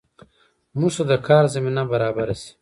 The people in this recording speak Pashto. موږ ته د کار زمینه برابره شي